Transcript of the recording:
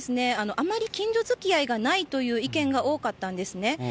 あまり近所づきあいがないという意見が多かったんですね。